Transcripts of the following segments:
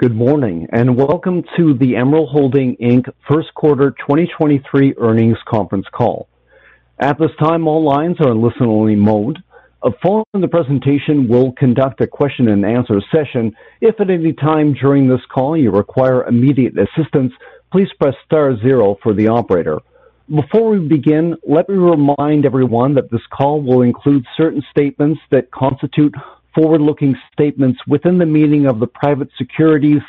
Good morning, welcome to the Emerald Holding Inc. Q1 2023 earnings conference call. At this time, all lines are in listen-only mode. A forum in the presentation will conduct a question and answer session. If at any time during this call you require immediate assistance, please press star zero for the operator. Before we begin, let me remind everyone that this call will include certain statements that constitute forward-looking statements within the meaning of the Private Securities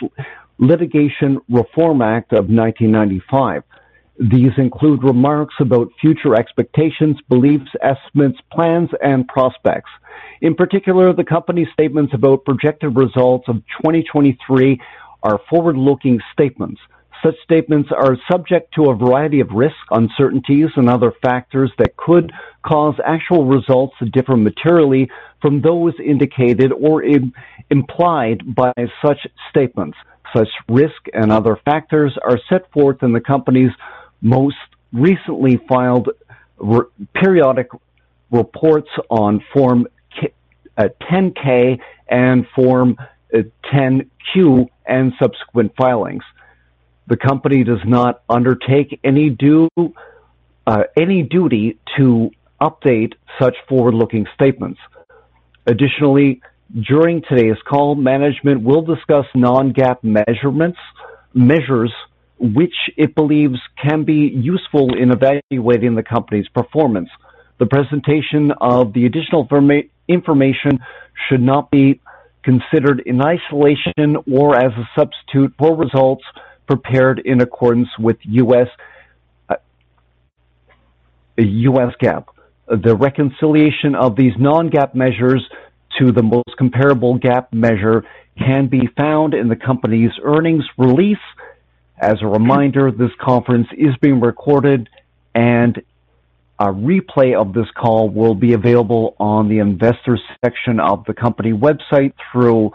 Litigation Reform Act of 1995. These include remarks about future expectations, beliefs, estimates, plans and prospects. In particular, the company statements about projected results of 2023 are forward-looking statements. Such statements are subject to a variety of risks, uncertainties and other factors that could cause actual results to differ materially from those indicated or implied by such statements. Such risk and other factors are set forth in the company's most recently filed periodic reports on Form 10-K and Form 10-Q and subsequent filings. The company does not undertake any duty to update such forward-looking statements. During today's call, management will discuss non-GAAP measures which it believes can be useful in evaluating the company's performance. The presentation of the additional information should not be considered in isolation or as a substitute for results prepared in accordance with US GAAP. The reconciliation of these non-GAAP measures to the most comparable GAAP measure can be found in the company's earnings release. As a reminder, this conference is being recorded, and a replay of this call will be available on the investors section of the company website through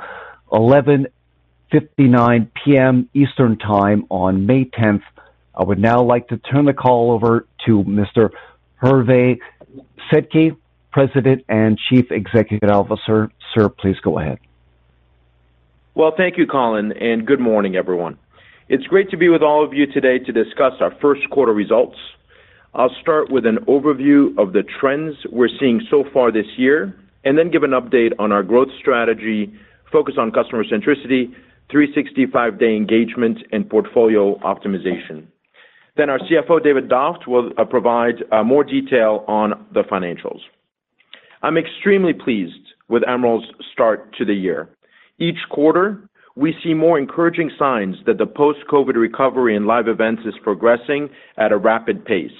11:59 P.M. Eastern Time on May 10th. I would now like to turn the call over to Mr. Hervé Sedky, President and Chief Executive Officer. Sir, please go ahead. Well, thank you, Colin, and good morning, everyone. It's great to be with all of you today to discuss our Q1 results. I'll start with an overview of the trends we're seeing so far this year and then give an update on our growth strategy, focus on customer centricity, 365-day engagement and portfolio optimization. Then our CFO, David Doft, will provide more detail on the financials. I'm extremely pleased with Emerald's start to the year. Each quarter, we see more encouraging signs that the post-COVID recovery in live events is progressing at a rapid pace,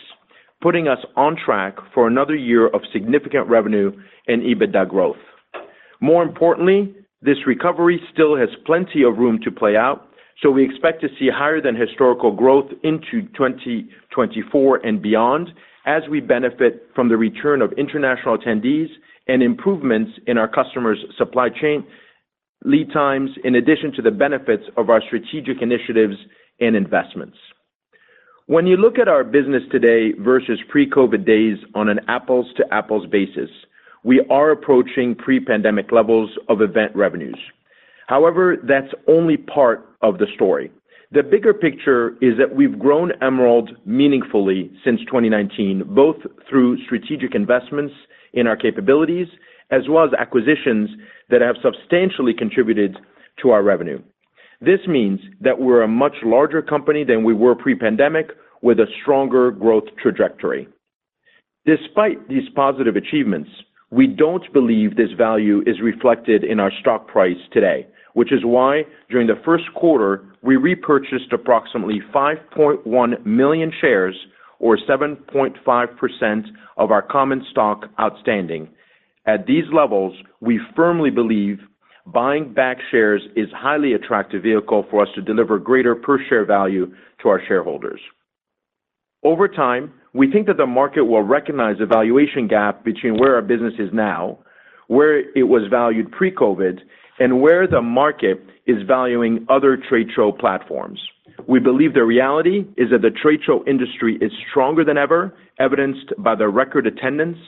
putting us on track for another year of significant revenue and EBITDA growth. More importantly, this recovery still has plenty of room to play out, so we expect to see higher than historical growth into 2024 and beyond as we benefit from the return of international attendees and improvements in our customers' supply chain lead times in addition to the benefits of our strategic initiatives and investments. When you look at our business today versus pre-COVID days on an apples-to-apples basis, we are approaching pre-pandemic levels of event revenues. However, that's only part of the story. The bigger picture is that we've grown Emerald meaningfully since 2019, both through strategic investments in our capabilities as well as acquisitions that have substantially contributed to our revenue. This means that we're a much larger company than we were pre-pandemic with a stronger growth trajectory. Despite these positive achievements, we don't believe this value is reflected in our stock price today, which is why during the Q1, we repurchased approximately 5.1 million shares or 7.5% of our common stock outstanding. At these levels, we firmly believe buying back shares is highly attractive vehicle for us to deliver greater per share value to our shareholders. Over time, we think that the market will recognize the valuation gap between where our business is now, where it was valued pre-COVID, and where the market is valuing other trade show platforms. We believe the reality is that the trade show industry is stronger than ever, evidenced by the record attendance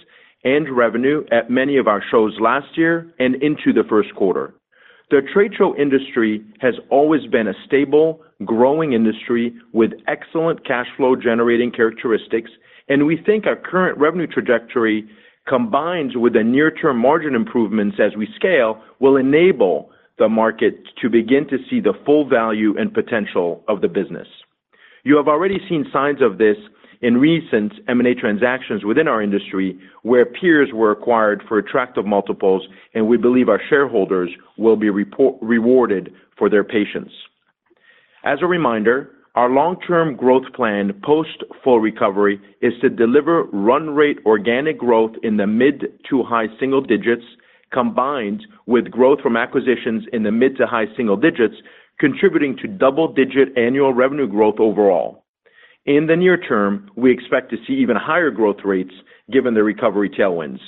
and revenue at many of our shows last year and into the Q1. The trade show industry has always been a stable, growing industry with excellent cash flow generating characteristics, and we think our current revenue trajectory, combined with the near-term margin improvements as we scale, will enable the market to begin to see the full value and potential of the business. You have already seen signs of this in recent M&A transactions within our industry, where peers were acquired for attractive multiples, and we believe our shareholders will be rewarded for their patience. As a reminder, our long-term growth plan post-full recovery is to deliver run rate organic growth in the mid to high single digits, combined with growth from acquisitions in the mid to high single digits, contributing to double-digit annual revenue growth overall. In the near term, we expect to see even higher growth rates given the recovery tailwinds.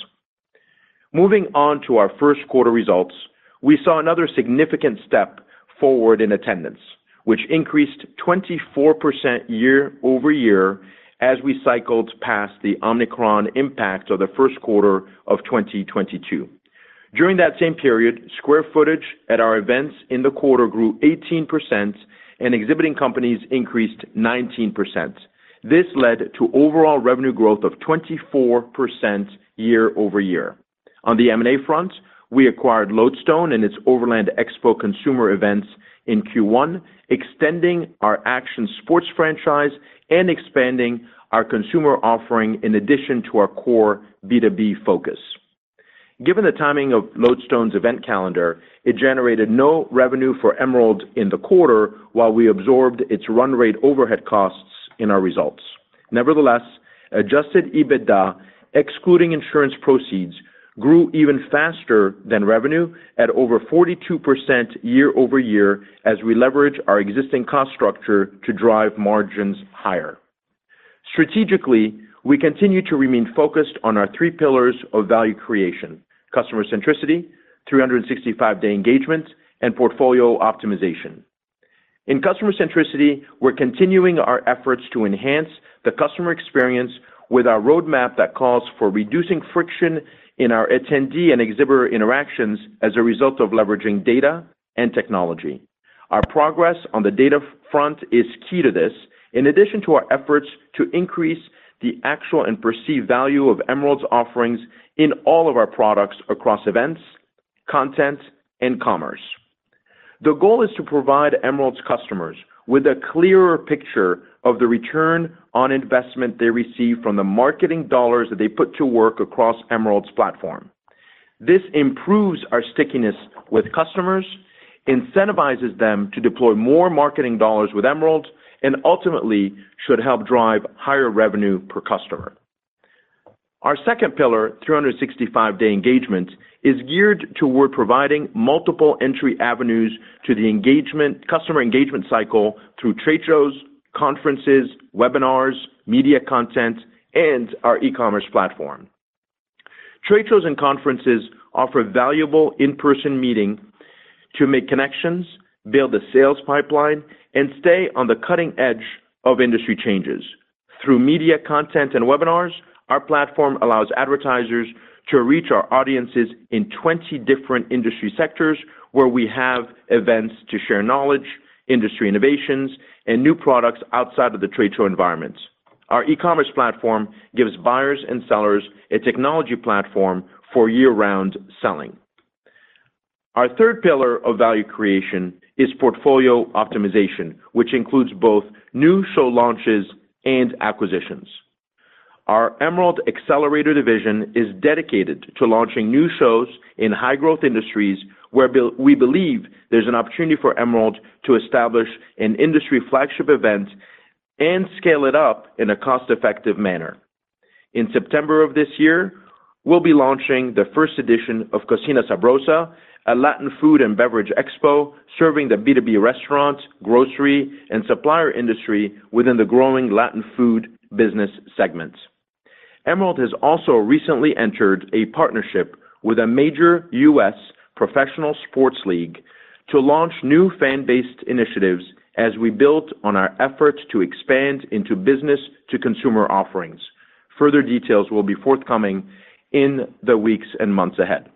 Moving on to our Q1 results, we saw another significant step forward in attendance, which increased 24% year-over-year as we cycled past the Omicron impact of the Q1 of 2022. During that same period, square footage at our events in the quarter grew 18% and exhibiting companies increased 19%. This led to overall revenue growth of 24% year-over-year. On the M&A front, we acquired Lodestone and its Overland Expo consumer events in Q1, extending our action sports franchise and expanding our consumer offering in addition to our core B2B focus. Given the timing of Lodestone's event calendar, it generated no revenue for Emerald in the quarter while we absorbed its run rate overhead costs in our results. Adjusted EBITDA, excluding insurance proceeds, grew even faster than revenue at over 42% year-over-year as we leverage our existing cost structure to drive margins higher. Strategically, we continue to remain focused on our three pillars of value creation customer centricity, 365-day engagement, and portfolio optimization. In customer centricity, we're continuing our efforts to enhance the customer experience with our roadmap that calls for reducing friction in our attendee and exhibitor interactions as a result of leveraging data and technology. Our progress on the data front is key to this. In addition to our efforts to increase the actual and perceived value of Emerald's offerings in all of our products across events, content, and commerce. The goal is to provide Emerald's customers with a clearer picture of the ROI they receive from the marketing dollars that they put to work across Emerald's platform. This improves our stickiness with customers, incentivizes them to deploy more marketing dollars with Emerald, and ultimately should help drive higher revenue per customer. Our second pillar, 365-day engagement, is geared toward providing multiple entry avenues to the customer engagement cycle through trade shows, conferences, webinars, media content, and our e-commerce platform. Trade shows and conferences offer valuable in-person meeting to make connections, build a sales pipeline, and stay on the cutting edge of industry changes. Through media content and webinars, our platform allows advertisers to reach our audiences in 20 different industry sectors where we have events to share knowledge, industry innovations, and new products outside of the trade show environments. Our e-commerce platform gives buyers and sellers a technology platform for year-round selling. Our third pillar of value creation is portfolio optimization, which includes both new show launches and acquisitions. Our Emerald Xcelerator division is dedicated to launching new shows in high growth industries where we believe there's an opportunity for Emerald to establish an industry flagship event and scale it up in a cost-effective manner. In September of this year, we'll be launching the first edition of Cocina Sabrosa, a Latin food and beverage expo serving the B2B restaurants, grocery, and supplier industry within the growing Latin food business segments. Emerald has also recently entered a partnership with a major U.S. professional sports league to launch new fan-based initiatives as we build on our efforts to expand into business to consumer offerings. Further details will be forthcoming in the weeks and months ahead.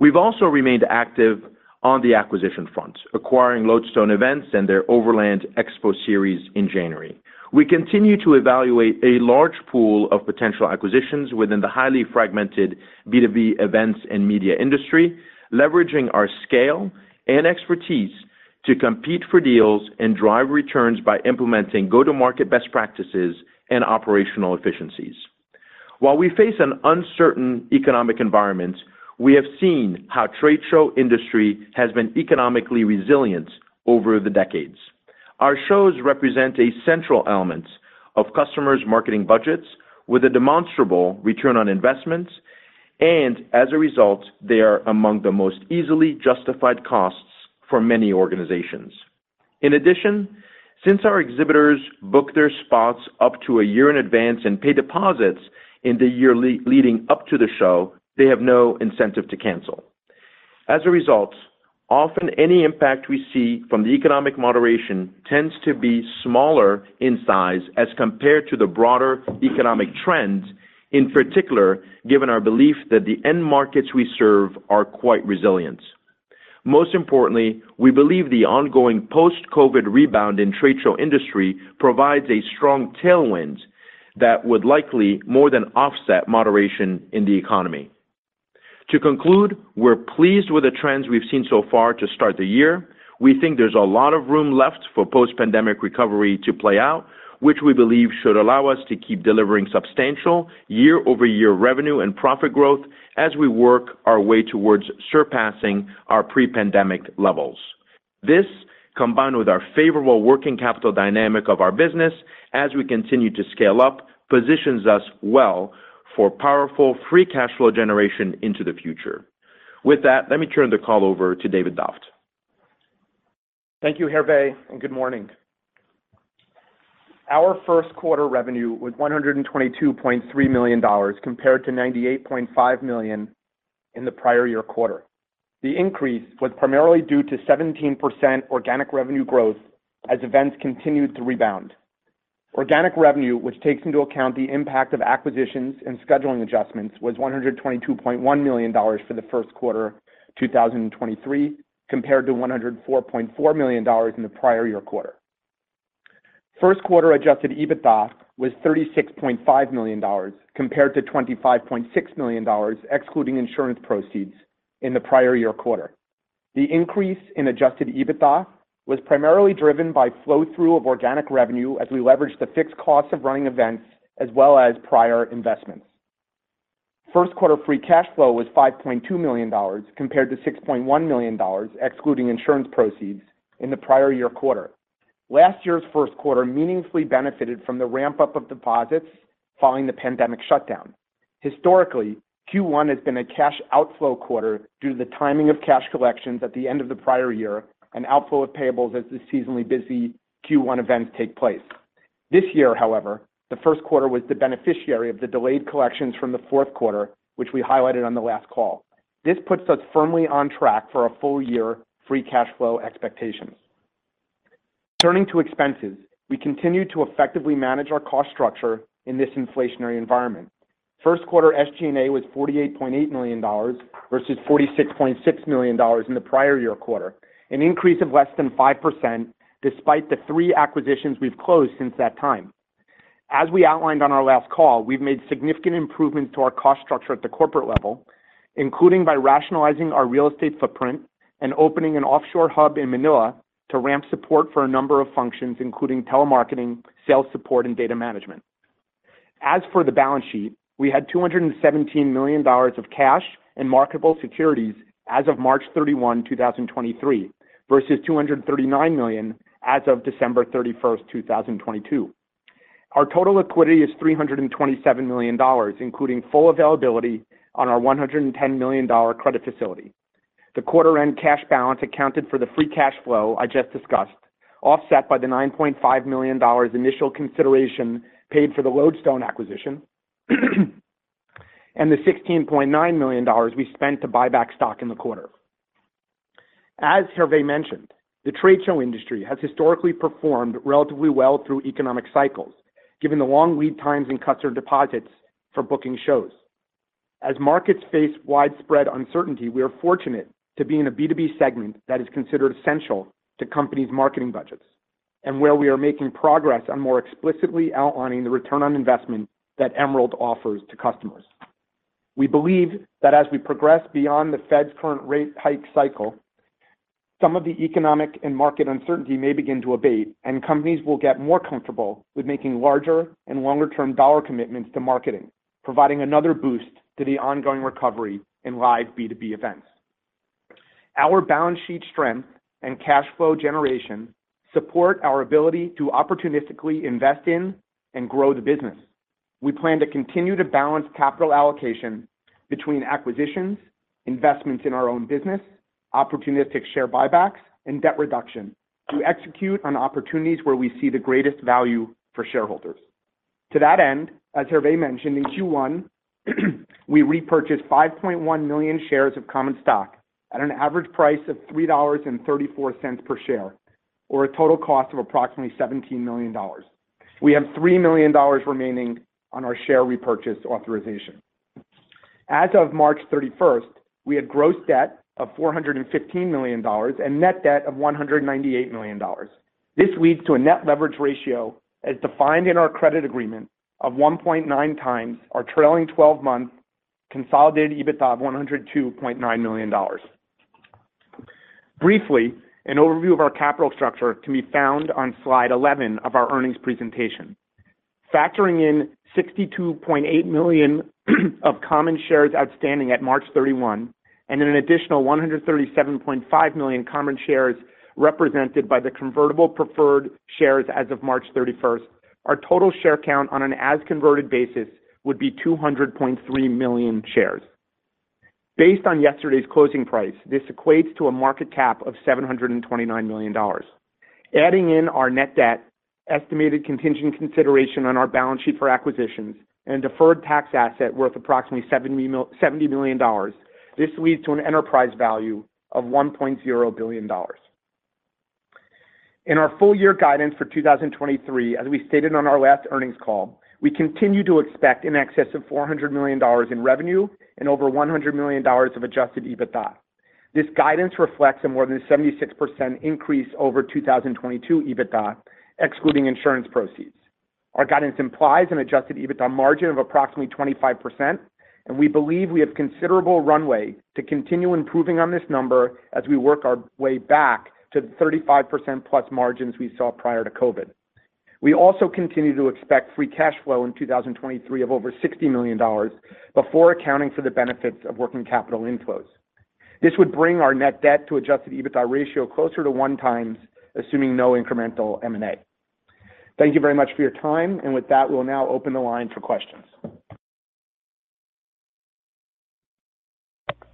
We've also remained active on the acquisition front, acquiring Lodestone Events and their Overland Expo series in January. We continue to evaluate a large pool of potential acquisitions within the highly fragmented B2B events and media industry, leveraging our scale and expertise to compete for deals and drive returns by implementing go-to-market best practices and operational efficiencies. While we face an uncertain economic environment, we have seen how trade show industry has been economically resilient over the decades. Our shows represent a central element of customers' marketing budgets with a demonstrable return on investment, and as a result, they are among the most easily justified costs for many organizations. In addition, since our exhibitors book their spots up to a year in advance and pay deposits in the year leading up to the show, they have no incentive to cancel. As a result, often any impact we see from the economic moderation tends to be smaller in size as compared to the broader economic trends, in particular, given our belief that the end markets we serve are quite resilient. Most importantly, we believe the ongoing post-COVID rebound in trade show industry provides a strong tailwind that would likely more than offset moderation in the economy. To conclude, we're pleased with the trends we've seen so far to start the year. We think there's a lot of room left for post-pandemic recovery to play out, which we believe should allow us to keep delivering substantial year-over-year revenue and profit growth as we work our way towards surpassing our pre-pandemic levels. This, combined with our favorable working capital dynamic of our business as we continue to scale up, positions us well for powerful free cash flow generation into the future. With that, let me turn the call over to David Doft. Thank you, Hervé, and good morning. Our Q1 revenue was $122.3 million compared to $98.5 million in the prior year quarter. The increase was primarily due to 17% organic revenue growth as events continued to rebound. Organic revenue, which takes into account the impact of acquisitions and scheduling adjustments, was $122.1 million for the Q1 2023, compared to $104.4 million in the prior year quarter. Q1 adjusted EBITDA was $36.5 million compared to $25.6 million excluding insurance proceeds in the prior year quarter. The increase in adjusted EBITDA was primarily driven by flow through of organic revenue as we leveraged the fixed costs of running events as well as prior investments. Q1 free cash flow was $5.2 million compared to $6.1 million excluding insurance proceeds in the prior year quarter. Last year's Q1 meaningfully benefited from the ramp-up of deposits following the pandemic shutdown. Historically, Q1 has been a cash outflow quarter due to the timing of cash collections at the end of the prior year and outflow of payables as the seasonally busy Q1 events take place. This year, however, the Q1 was the beneficiary of the delayed collections from the Q4, which we highlighted on the last call. This puts us firmly on track for our full-year free cash flow expectations. Turning to expenses, we continued to effectively manage our cost structure in this inflationary environment. Q1 SG&A was $48.8 million versus $46.6 million in the prior year quarter, an increase of less than 5% despite the three acquisitions we've closed since that time. As we outlined on our last call, we've made significant improvements to our cost structure at the corporate level, including by rationalizing our real estate footprint and opening an offshore hub in Manila to ramp support for a number of functions, including telemarketing, sales support, and data management. As for the balance sheet, we had $217 million of cash and marketable securities as of March 31, 2023, versus $239 million as of December 31, 2022. Our total liquidity is $327 million, including full availability on our $110 million credit facility. The quarter end cash balance accounted for the free cash flow I just discussed, offset by the $9.5 million initial consideration paid for the Lodestone acquisition, and the $16.9 million we spent to buy back stock in the quarter. As Hervé mentioned, the trade show industry has historically performed relatively well through economic cycles, given the long lead times and customer deposits for booking shows. As markets face widespread uncertainty, we are fortunate to be in a B2B segment that is considered essential to companies' marketing budgets and where we are making progress on more explicitly outlining the return on investment that Emerald offers to customers. We believe that as we progress beyond the Fed's current rate hike cycle, some of the economic and market uncertainty may begin to abate, and companies will get more comfortable with making larger and longer-term dollar commitments to marketing, providing another boost to the ongoing recovery in live B2B events. Our balance sheet strength and cash flow generation support our ability to opportunistically invest in and grow the business. We plan to continue to balance capital allocation between acquisitions, investments in our own business, opportunistic share buybacks, and debt reduction to execute on opportunities where we see the greatest value for shareholders. To that end, as Hervé mentioned, in Q1, we repurchased 5.1 million shares of common stock at an average price of $3.34 per share, or a total cost of approximately $17 million. We have $3 million remaining on our share repurchase authorization. As of March 31st, we had gross debt of $415 million and net debt of $198 million. This leads to a net leverage ratio as defined in our credit agreement of 1.9 times our trailing twelve-month consolidated EBITDA of $102.9 million. Briefly, an overview of our capital structure can be found on slide 11 of our earnings presentation. Factoring in 62.8 million of common shares outstanding at March 31 and an additional 137.5 million common shares represented by the convertible preferred shares as of March 31st, our total share count on an as converted basis would be 200.3 million shares. Based on yesterday's closing price, this equates to a market cap of $729 million. Adding in our net debt, estimated contingent consideration on our balance sheet for acquisitions, and a deferred tax asset worth approximately $70 million, this leads to an enterprise value of $1.0 billion. In our full year guidance for 2023, as we stated on our last earnings call, we continue to expect in excess of $400 million in revenue and over $100 million of adjusted EBITDA. This guidance reflects a more than 76% increase over 2022 EBITDA, excluding insurance proceeds. Our guidance implies an adjusted EBITDA margin of approximately 25%, and we believe we have considerable runway to continue improving on this number as we work our way back to the 35% plus margins we saw prior to COVID. We also continue to expect free cash flow in 2023 of over $60 million before accounting for the benefits of working capital inflows. This would bring our net debt to adjusted EBITDA ratio closer to 1x, assuming no incremental M&A. Thank you very much for your time. With that, we'll now open the line for questions.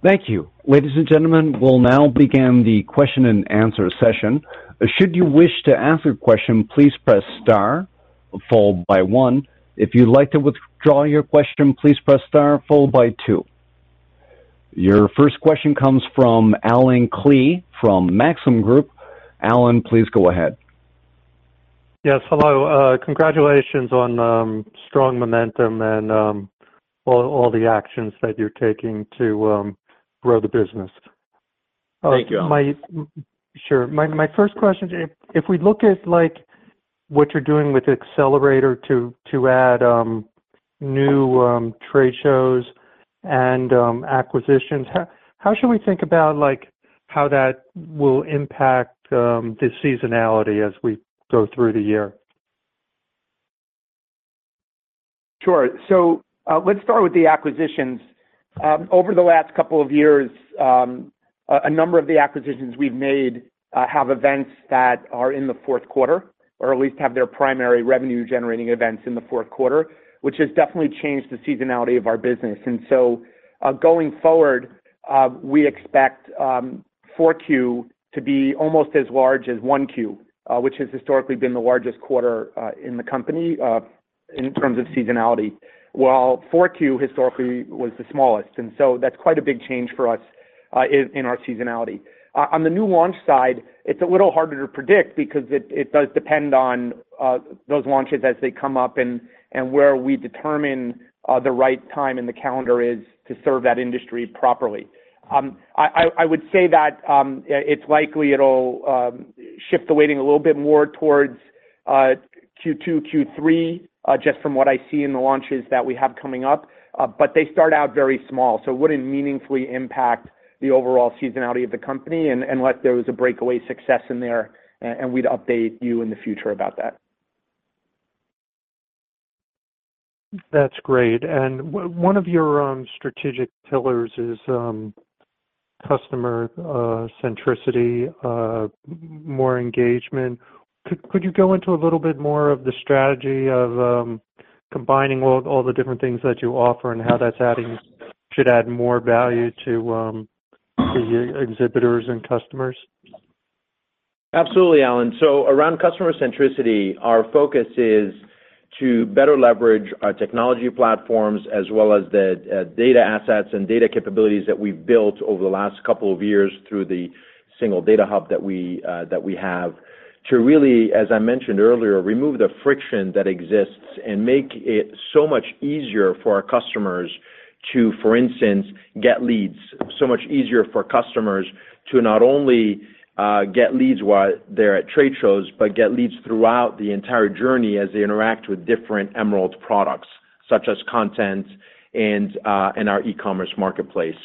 Thank you. Ladies and gentlemen, we'll now begin the question and answer session. Should you wish to ask a question, please press star followed by one. If you'd like to withdraw your question, please press star followed by two. Your first question comes from Allen Klee from Maxim Group. Alan, please go ahead. Yes, hello. Congratulations on strong momentum and all the actions that you're taking to grow the business. Thank you. Sure. My first question, if we look at, like, what you're doing with Xcelerator to add new trade shows and acquisitions, how should we think about, like, how that will impact the seasonality as we go through the year? Sure. So let's start with the acquisitions. over the last couple of years a number of the acquisitions we've made, uh, have events that are in the Q4 or at least have their primary revenue-generating events in the Q4, which has definitely changed the seasonality of our business. And so going forward, we expect, four Q to be almost as large as one Q, which has historically been the largest quarter, in the company in terms of seasonality, while four Q historically was the smallest. And so that's quite a big change for us, uh, in our seasonality." On the new launch side, it's a little harder to predict because it does depend on those launches as they come up and where we determine the right time in the calendar is to serve that industry properly. I would say that it's likely it'll shift the weighting a little bit more towards Q2, Q3, just from what I see in the launches that we have coming up. They start out very small, so it wouldn't meaningfully impact the overall seasonality of the company unless there was a breakaway success in there, and we'd update you in the future about that. That's great. One of your strategic pillars is customer centricity, more engagement. Could you go into a little bit more of the strategy of combining all the different things that you offer and how that should add more value to the exhibitors and customers? Absolutely, Allen. Around customer centricity, our focus is to better leverage our technology platforms as well as the data assets and data capabilities that we've built over the last couple of years through the single data hub that we have to really, as I mentioned earlier, remove the friction that exists and make it so much easier for our customers to, for instance, get leads. So much easier for customers to not only get leads while they're at trade shows, but get leads throughout the entire journey as they interact with different Emerald products, such as content and our e-commerce marketplace.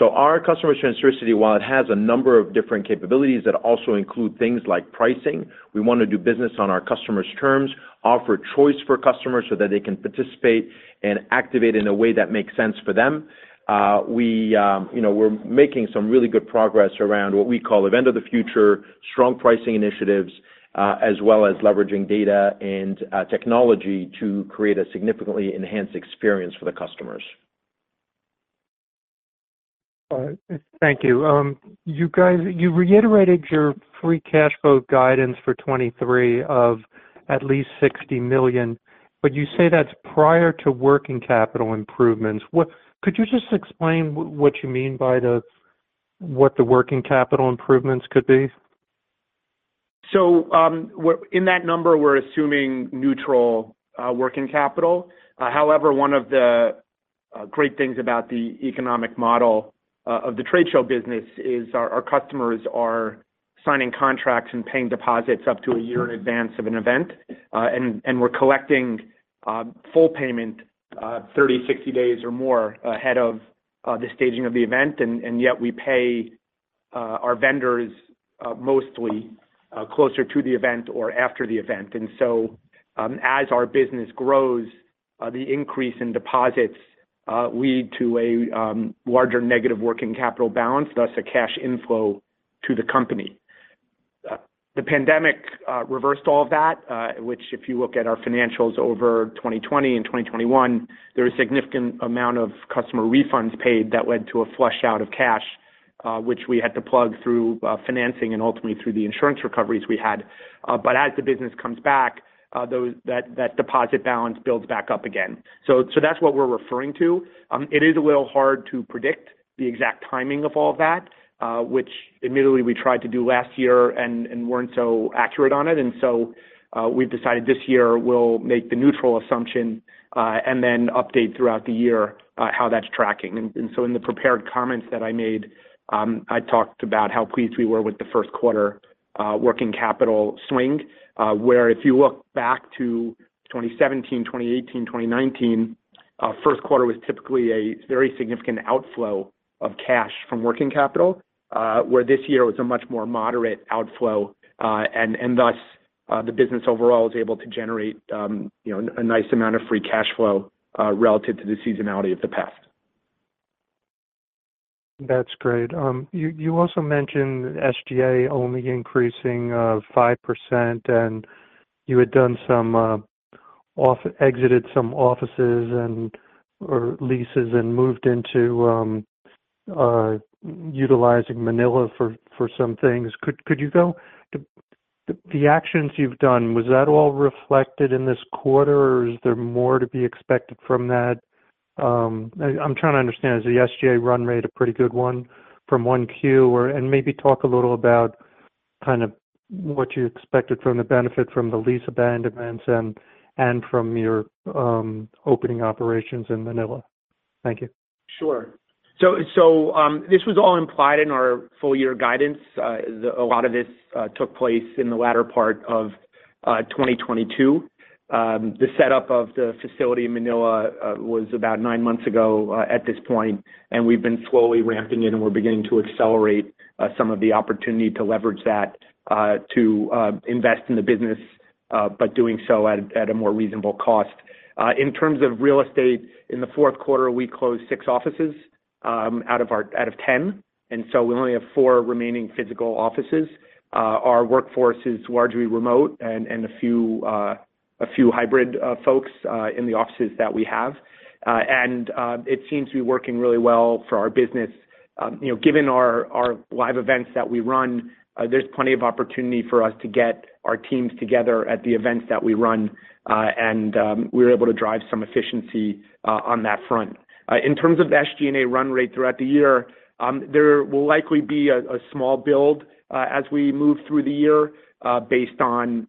Our customer centricity, while it has a number of different capabilities that also include things like pricing, we wanna do business on our customers' terms, offer choice for customers so that they can participate and activate in a way that makes sense for them. We, you know, we're making some really good progress around what we call Event of the Future, strong pricing initiatives, as well as leveraging data and technology to create a significantly enhanced experience for the customers. All right. Thank you. You reiterated your free cash flow guidance for 2023 of at least $60 million, you say that's prior to working capital improvements. Could you just explain what you mean by the what the working capital improvements could be? In that number, we're assuming neutral working capital. However, one of the great things about the economic model of the trade show business is our customers are signing contracts and paying deposits up to a year in advance of an event. And we're collecting full payment 30, 60 days or more ahead of the staging of the event. Yet we pay our vendors mostly closer to the event or after the event. As our business grows, the increase in deposits lead to a larger negative working capital balance, thus a cash inflow to the company. The pandemic reversed all of that, which, if you look at our financials over 2020 and 2021, there was significant amount of customer refunds paid that led to a flush out of cash, which we had to plug through financing and ultimately through the insurance recoveries we had. As the business comes back, that deposit balance builds back up again. That's what we're referring to. It is a little hard to predict the exact timing of all of that, which admittedly we tried to do last year and weren't so accurate on it. We've decided this year we'll make the neutral assumption, and then update throughout the year, how that's tracking. In the prepared comments that I made, I talked about how pleased we were with the Q1 working capital swing, where if you look back to 2017, 2018, 2019, Q1 was typically a very significant outflow of cash from working capital, where this year was a much more moderate outflow. Thus, the business overall is able to generate, you know, a nice amount of free cash flow, relative to the seasonality of the past. That's great. You also mentioned SG&A only increasing 5%, and you had done some exited some offices and/or leases and moved into utilizing Manila for some things. The actions you've done, was that all reflected in this quarter, or is there more to be expected from that? I'm trying to understand, is the SG&A run rate a pretty good one from 1Q? Maybe talk a little about kind of what you expected from the benefit from the lease abandonments and from your opening operations in Manila. Thank you. Sure. This was all implied in our full year guidance. A lot of this took place in the latter part of 2022. The setup of the facility in Manila was about 9 months ago at this point, and we've been slowly ramping it, and we're beginning to accelerate some of the opportunity to leverage that to invest in the business, but doing so at a more reasonable cost. In terms of real estate, in the 4th quarter, we closed 6 offices out of 10, and so we only have 4 remaining physical offices. Our workforce is largely remote and a few hybrid folks in the offices that we have. It seems to be working really well for our business. you know, given our live events that we run, there's plenty of opportunity for us to get our teams together at the events that we run, and we're able to drive some efficiency on that front. In terms of SG&A run rate throughout the year, there will likely be a small build as we move through the year, based on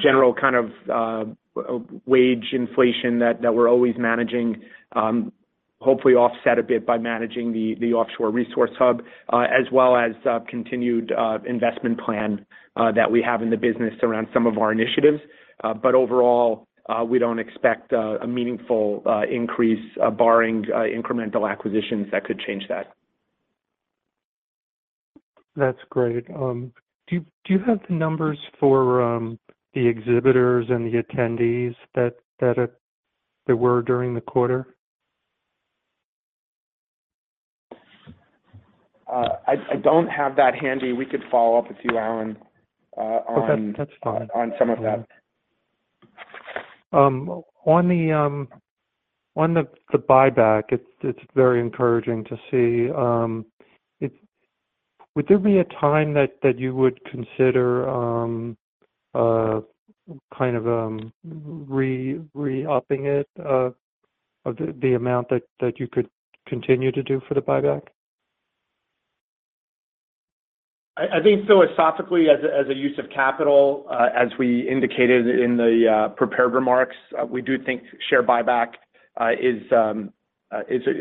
general kind of wage inflation that we're always managing, hopefully offset a bit by managing the offshore resource hub, as well as continued investment plan that we have in the business around some of our initiatives. Overall, we don't expect a meaningful increase barring incremental acquisitions that could change that. That's great. Do you have the numbers for the exhibitors and the attendees that there were during the quarter? I don't have that handy. We could follow up with you, Allen. Okay. That's fine. on some of that. On the buyback, it's very encouraging to see. Would there be a time that you would consider, kind of, re-upping it of the amount that you could continue to do for the buyback? I think philosophically, as a use of capital, as we indicated in the prepared remarks, we do think share buyback is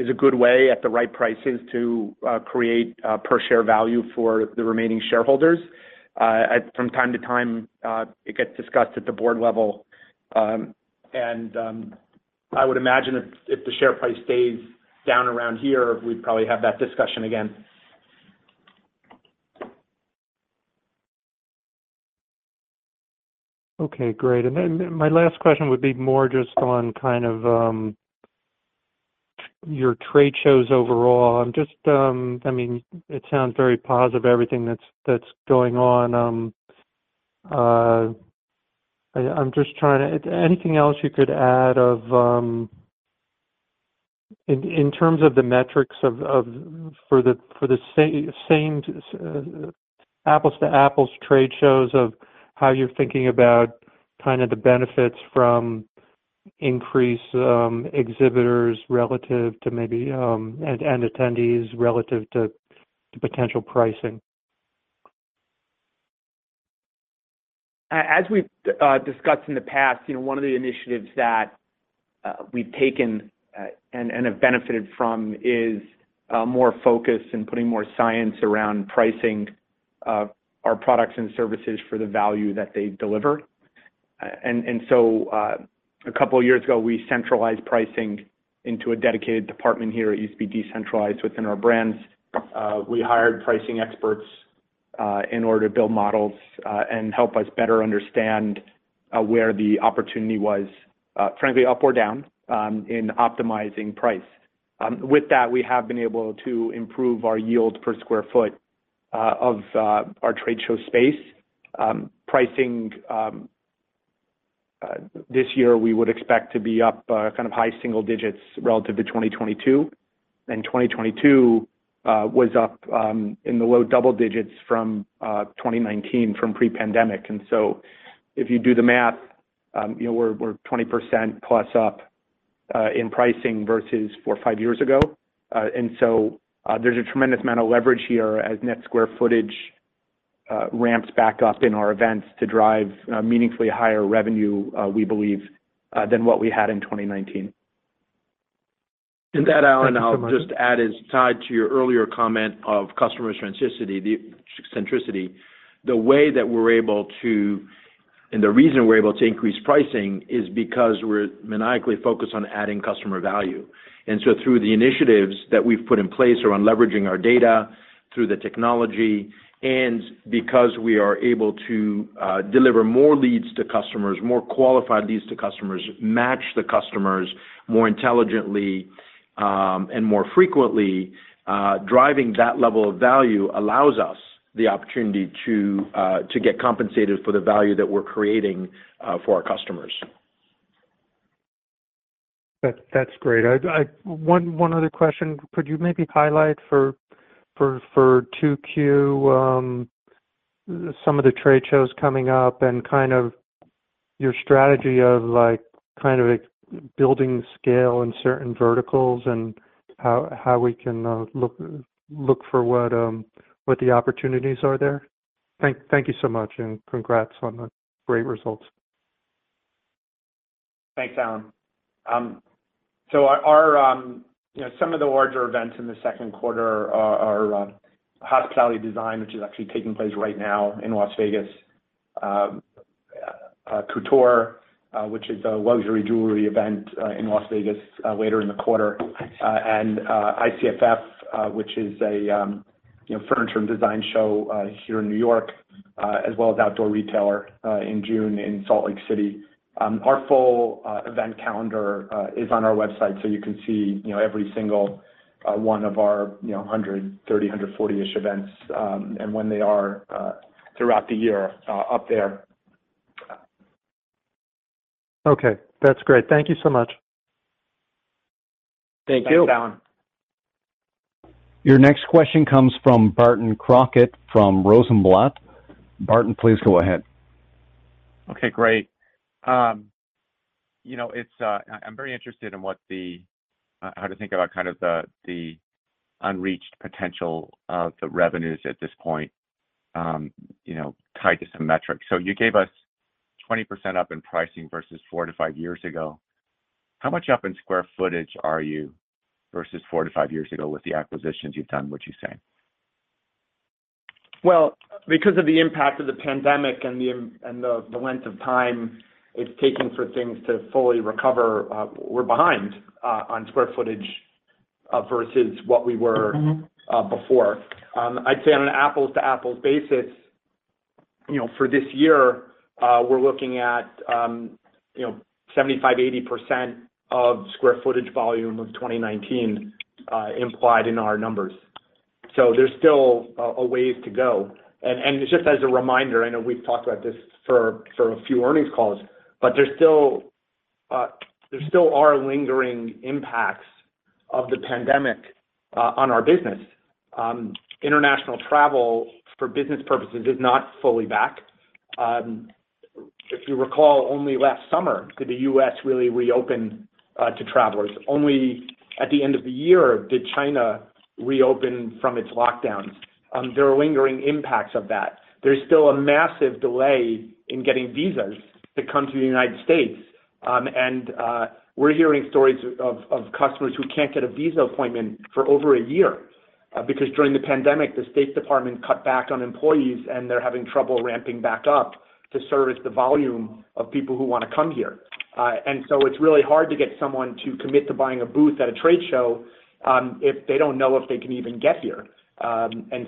a good way at the right prices to create per share value for the remaining shareholders. From time to time, it gets discussed at the board level. I would imagine if the share price stays down around here, we'd probably have that discussion again. Okay, great. My last question would be more just on kind of your trade shows overall. I'm just, it sounds very positive, everything that's going on. I'm just trying to. Anything else you could add of in terms of the metrics of for the same, apples to apples trade shows of how you're thinking about kind of the benefits from increased exhibitors relative to maybe, and attendees relative to potential pricing? As we've discussed in the past, one of the initiatives that we've taken and have benefited from is more focus in putting more science around pricing of our products and services for the value that they deliver. A couple of years ago, we centralized pricing into a dedicated department here. It used to be decentralized within our brands. We hired pricing experts in order to build models and help us better understand where the opportunity was, frankly, up or down, in optimizing price. With that, we have been able to improve our yield per square foot of our trade show space. Pricing this year, we would expect to be up kind of high single digits relative to 2022. 2022 was up in the low double digits from 2019 from pre-pandemic. If you do the math, you know, we're 20% plus up in pricing versus 4, 5 years ago. There's a tremendous amount of leverage here as net square footage ramps back up in our events to drive meaningfully higher revenue, we believe, than what we had in 2019. That, Alan, I'll just add is tied to your earlier comment of customer centricity, the centricity. The way that we're able to, and the reason we're able to increase pricing is because we're maniacally focused on adding customer value. Through the initiatives that we've put in place around leveraging our data through the technology, and because we are able to deliver more leads to customers, more qualified leads to customers, match the customers more intelligently, and more frequently, driving that level of value allows us the opportunity to get compensated for the value that we're creating for our customers. That's great. I one other question. Could you maybe highlight for 2Q, some of the trade shows coming up and kind of your strategy of, like, kind of building scale in certain verticals and how we can look for what the opportunities are there? Thank you so much, and congrats on the great results. Thanks, Allen. Our, you know, some of the larger events in the Q2 are Hospitality Design, which is actually taking place right now in Las Vegas. Couture, which is a luxury jewelry event, in Las Vegas, later in the quarter. ICFF, which is a, you know, furniture and design show, here in New York, as well as Outdoor Retailer, in June in Salt Lake City. Our full event calendar is on our website, so you can see, you know, every single one of our, you know, 130, 140-ish events, and when they are throughout the year, up there. Okay. That's great. Thank you so much. Thank you. Thanks, Allen. Your next question comes from Barton Crockett from Rosenblatt. Barton, please go ahead. Okay, great. You know, it's, I'm very interested in how to think about kind of the unreached potential of the revenues at this point, you know, tied to some metrics. You gave us 20% up in pricing versus 4-5 years ago. How much up in square footage are you versus 4-5 years ago with the acquisitions you've done, would you say? Well, because of the impact of the pandemic and the length of time it's taken for things to fully recover, we're behind on square footage versus what we were. Mm-hmm. Before. I'd say on an apples-to-apples basis, you know, for this year, we're looking at, you know, 75%-80% of square footage volume of 2019 implied in our numbers. There's still a ways to go. Just as a reminder, I know we've talked about this for a few earnings calls, but there still are lingering impacts of the pandemic on our business. International travel for business purposes is not fully back. If you recall, only last summer did the U.S. really reopen to travelers. Only at the end of the year did China reopen from its lockdowns. There are lingering impacts of that. There's still a massive delay in getting visas to come to the United States. We're hearing stories of customers who can't get a visa appointment for over a year, because during the pandemic, the State Department cut back on employees, and they're having trouble ramping back up to service the volume of people who wanna come here. So it's really hard to get someone to commit to buying a booth at a trade show, if they don't know if they can even get here.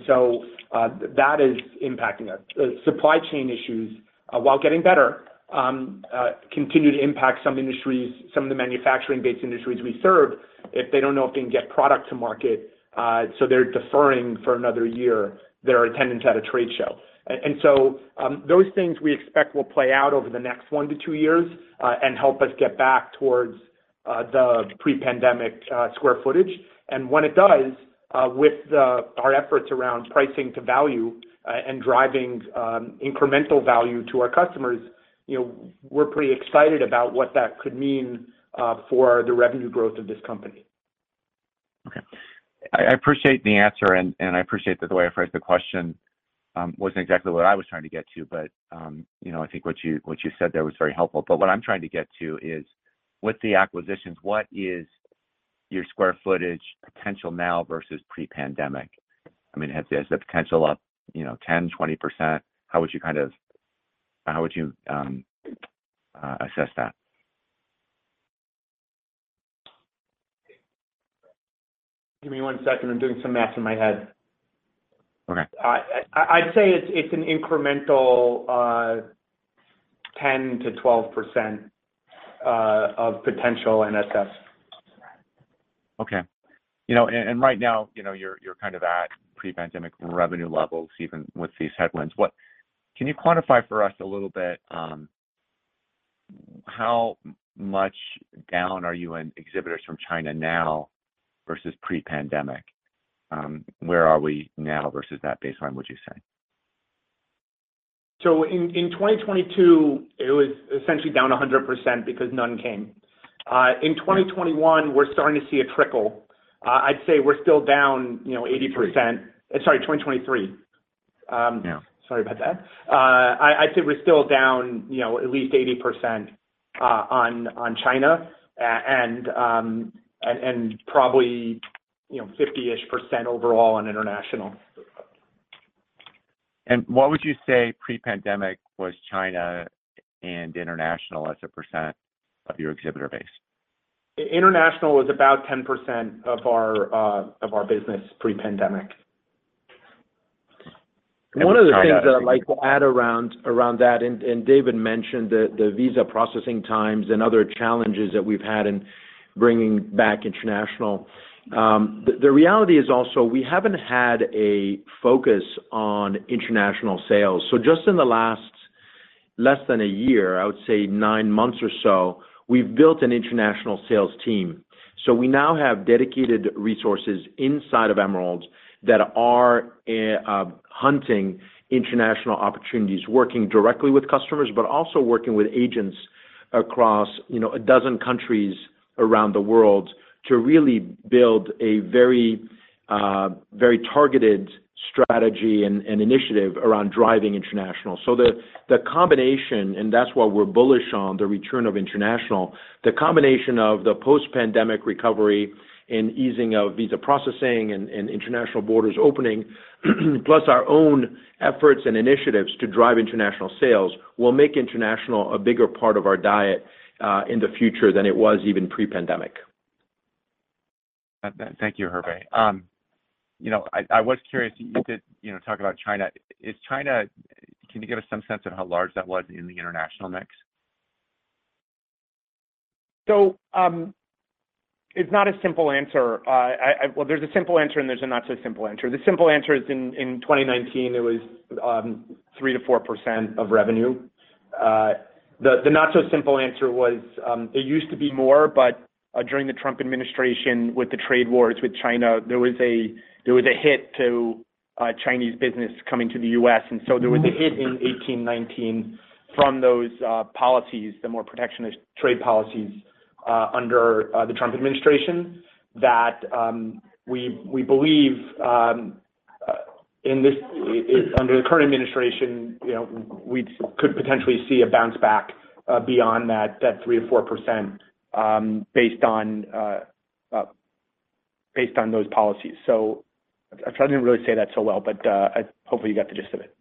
So that is impacting us. Supply chain issues, while getting better, continue to impact some industries, some of the manufacturing-based industries we serve, if they don't know if they can get product to market, so they're deferring for another year their attendance at a trade show. Those things we expect will play out over the next 1 to 2 years and help us get back towards the pre-pandemic square footage. When it does, with our efforts around pricing to value and driving incremental value to our customers, you know, we're pretty excited about what that could mean for the revenue growth of this company. Okay. I appreciate the answer, and I appreciate that the way I phrased the question wasn't exactly what I was trying to get to. You know, I think what you said there was very helpful. What I'm trying to get to is: With the acquisitions, what is your square footage potential now versus pre-pandemic? I mean, has the potential up, you know, 10%, 20%? How would you assess that? Give me one second. I'm doing some math in my head. Okay. I'd say it's an incremental, 10%-12% of potential NSS. Okay. right now, you're kind of at pre-pandemic revenue levels, even with these headwinds. Can you quantify for us a little bit, how much down are you in exhibitors from China now versus pre-pandemic? Where are we now versus that baseline, would you say? In 2022, it was essentially down 100% because none came. In 2021, we're starting to see a trickle. I'd say we're still down, you know, 80%. Three. Sorry, 2023. Yeah. Sorry about that. I'd say we're still down, you know, at least 80% on China and probably, you know, 50-ish% overall on international. What would you say pre-pandemic was China and international as a % of your exhibitor base? International was about 10% of our of our business pre-pandemic. One of the things that I'd like to add around that, and David mentioned the visa processing times and other challenges that we've had in bringing back international. The reality is also we haven't had a focus on international sales. Just in the last less than a year, I would say nine months or so, we've built an international sales team. We now have dedicated resources inside of Emerald that are hunting international opportunities, working directly with customers, but also working with agents across, you know, 12 countries around the world to really build a very targeted strategy and initiative around driving international. The combination, and that's why we're bullish on the return of international, the combination of the post-pandemic recovery and easing of visa processing and international borders opening, plus our own efforts and initiatives to drive international sales will make international a bigger part of our diet in the future than it was even pre-pandemic. Thank you, Hervé. I was curious, you did, you know, talk about China. Can you give us some sense of how large that was in the international mix? It's not a simple answer. Well, there's a simple answer and there's a not so simple answer. The simple answer is in 2019 it was 3%-4% of revenue. The not so simple answer was it used to be more, but during the Trump administration with the trade wars with China, there was a hit to Chinese business coming to the U.S. There was a hit in 2018-2019 from those policies, the more protectionist trade policies under the Trump administration that we believe under the current administration, you know, we could potentially see a bounce back beyond that 3%-4% based on those policies. I probably didn't really say that so well, but hopefully you got the gist of it.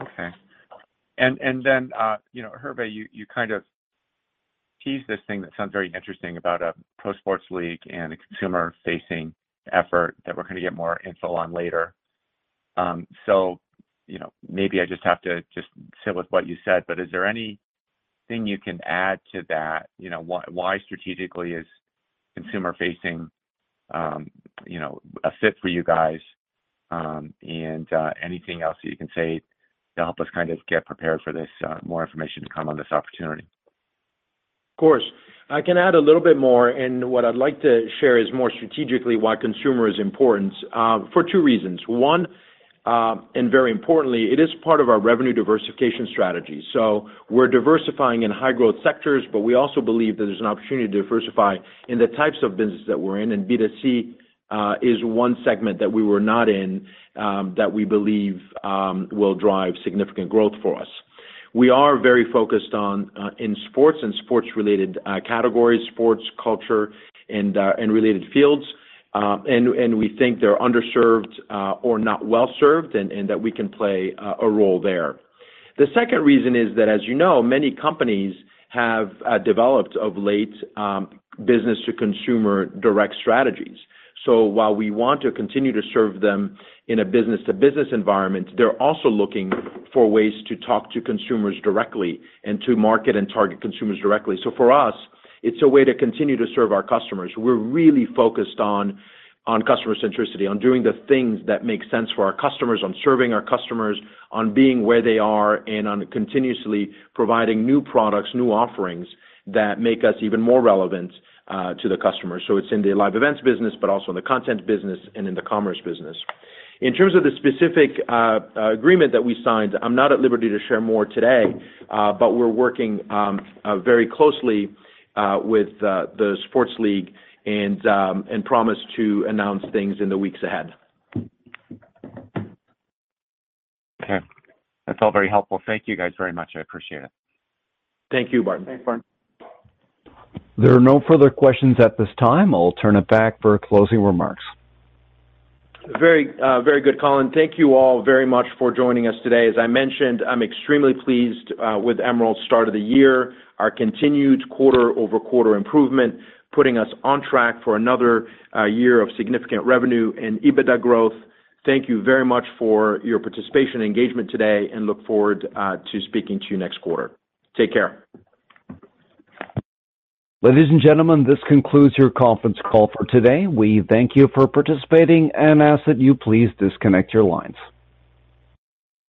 Okay. Then, Hervé, you kind of teased this thing that sounds very interesting about a pro sports league and a consumer-facing effort that we're gonna get more info on later. You know, maybe I just have to just sit with what you said, but is there anything you can add to that? You know, why strategically is consumer-facing, you know, a fit for you guys? Anything else you can say to help us kind of get prepared for this, more information to come on this opportunity? Of course. I can add a little bit more. What I'd like to share is more strategically why consumer is important, for 2 reasons. 1, and very importantly, it is part of our revenue diversification strategy. We're diversifying in high growth sectors, but we also believe that there's an opportunity to diversify in the types of businesses that we're in, and B2C is 1 segment that we were not in, that we believe will drive significant growth for us. We are very focused on in sports and sports-related categories, sports culture and related fields. We think they're underserved or not well-served and that we can play a role there. The second reason is that, as you know, many companies have developed of late, business to consumer direct strategies. While we want to continue to serve them in a B2B environment, they're also looking for ways to talk to consumers directly and to market and target consumers directly. For us, it's a way to continue to serve our customers. We're really focused on customer centricity, on doing the things that make sense for our customers, on serving our customers, on being where they are, and on continuously providing new products, new offerings that make us even more relevant to the customer. It's in the live events business, but also in the content business and in the commerce business. In terms of the specific agreement that we signed, I'm not at liberty to share more today, but we're working very closely with the sports league and promise to announce things in the weeks ahead. Okay. That's all very helpful. Thank you guys very much. I appreciate it. Thank you, Barton. Thanks, Barton. There are no further questions at this time. I'll turn it back for closing remarks. Very, good, Colin. Thank you all very much for joining us today. As I mentioned, I'm extremely pleased with Emerald's start of the year, our continued quarter-over-quarter improvement, putting us on track for another year of significant revenue and EBITDA growth. Thank you very much for your participation and engagement today, and look forward to speaking to you next quarter. Take care. Ladies and gentlemen, this concludes your conference call for today. We thank you for participating and ask that you please disconnect your lines.